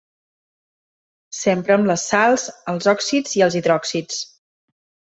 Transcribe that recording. S'empra amb les sals, els òxids i els hidròxids.